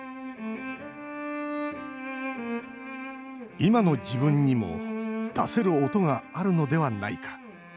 今の自分にも出せる音があるのではないか。